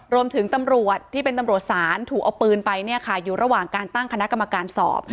รวมถึงตำรวจที่เป็นตำรวจศาลถูกเอาปืนไปเนี่ยค่ะอยู่ระหว่างการตั้งคณะกรรมการสอบ